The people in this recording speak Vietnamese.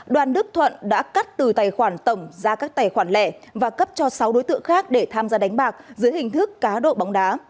đoàn đức thuận đã cắt từ tài khoản tổng ra các tài khoản lẻ và cấp cho sáu đối tượng khác để tham gia đánh bạc dưới hình thức cá độ bóng đá